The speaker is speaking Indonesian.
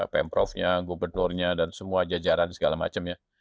pm prof nya gubernur nya dan semua jajaran segala macem ya